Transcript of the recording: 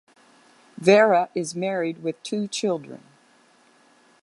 Vara is married with two children.